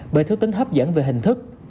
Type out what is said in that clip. bởi thứ tính hấp dẫn về hình thức